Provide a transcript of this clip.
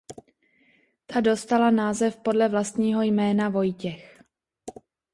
Ta dostala název podle vlastního jména Vojtěch.